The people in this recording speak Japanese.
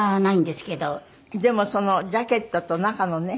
でもそのジャケットと中のね